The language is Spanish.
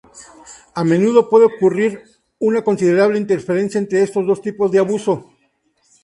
A menudo puede ocurrir una considerable interferencia entre estos dos tipos de abuso.